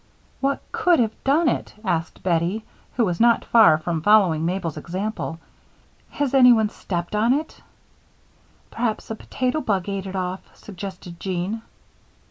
"What could have done it?" asked Bettie, who was not far from following Mabel's example. "Has anyone stepped on it?" "Perhaps a potato bug ate it off," suggested Jean.